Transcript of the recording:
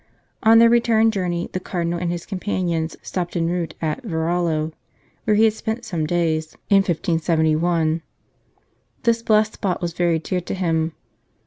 On their return journey, the Cardinal and his companions stopped en route at Varallo, where he had spent some days in 1571. This blessed spot was very dear to him.